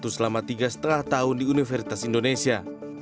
selama tiga lima tahun di universitas indonesia